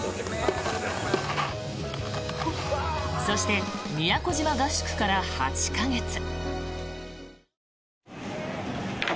そして、宮古島合宿から８か月。